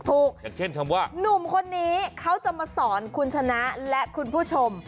อย่างเช่นคำว่าหนุ่มคนนี้เขาจะมาสอนคุณชนะและคุณผู้ชม